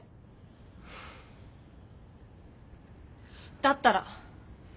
だったら。